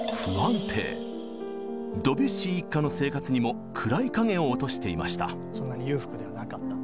ドビュッシー一家の生活にも暗い影を落としていました。